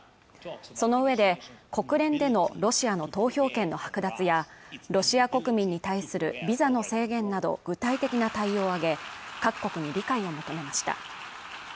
そのうえで国連でのロシアの投票権の剥奪やロシア国民に対するビザの制限など具体的な対応を挙げ各国に理解を求めました